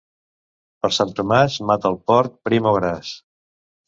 Per Sant Tomàs mata el porc, prim o gras.